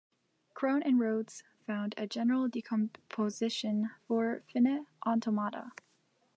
Krohn and Rhodes found a general decomposition for finite automata.